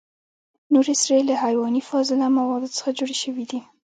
نورې سرې له حیواني فاضله موادو څخه جوړ شوي دي.